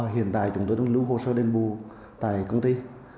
hiện tại chúng tôi đang lưu hồ sơ đền bù tại công ty